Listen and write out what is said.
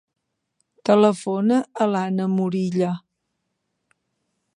Telefona a l'Ana Morilla.